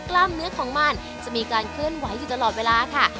กล้ามเนื้อของมันจะมีการเคลื่อนไหวอยู่ตลอดเวลาค่ะ